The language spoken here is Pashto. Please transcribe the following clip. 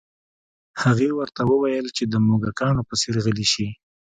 هغې ورته وویل چې د موږکانو په څیر غلي شي